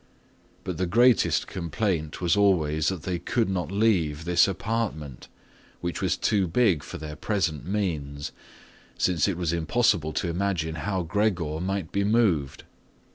But the greatest complaint was always that they could not leave this apartment, which was too big for their present means, since it was impossible to imagine how Gregor might be moved.